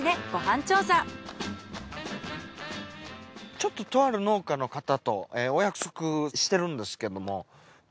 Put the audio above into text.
ちょっととある農家の方とお約束してるんですけども。